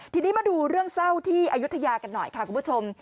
ทีนี้มาดูเรื่องเศร้าที่อายุทยากันหน่อยค่ะคุณผู้ชม